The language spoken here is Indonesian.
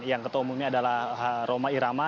yang ketua umumnya adalah roma irama